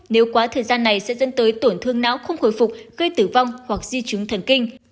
nếu quá thời gian này sẽ dẫn tới tổn thương não không hồi phục gây tử vong hoặc di chứng thần kinh